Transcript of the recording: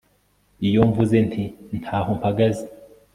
iyo mvuze nti nta ho mpagaze